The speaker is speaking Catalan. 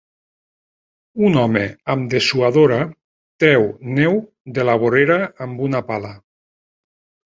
Un home amb dessuadora treu neu de la vorera amb una pala.